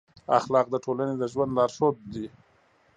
اخلاق د ټولنې د ژوند لارښود دي.